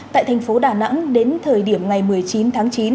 tại thành phố đà nẵng đến thời điểm ngày một mươi chín tháng chín